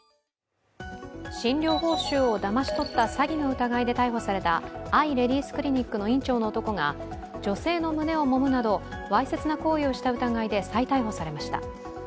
診療報酬をだまし取った詐欺の疑いで逮捕されたあいレディースクリニックの院長の男が女性の胸をもむなどわいせつな行為をした疑いで再逮捕されました。